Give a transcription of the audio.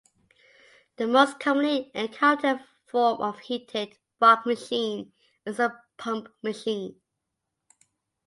The most commonly encountered form of heated fog machine is the pump machine.